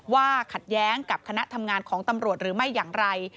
ขัดแย้งกับคณะทำงานของตำรวจหรือไม่อย่างไร